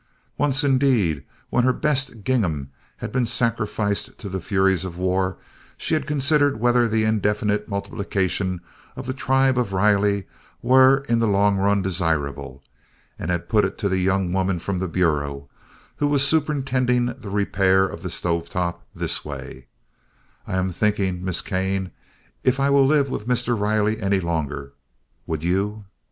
Once indeed, when her best gingham had been sacrificed to the furies of war, she had considered whether the indefinite multiplication of the tribe of Riley were in the long run desirable, and had put it to the young woman from the Bureau, who was superintending the repair of the stove top, this way: "I am thinking, Miss Kane, if I will live with Mr. Riley any longer; would you?"